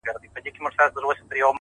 بلکې ګڼ شمېر هېوادوالو ته یې